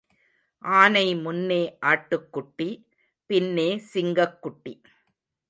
ஆனை முன்னே ஆட்டுக்குட்டி பின்னே சிங்கக்குட்டி.